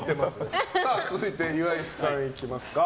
続いて、岩井さんいきますか。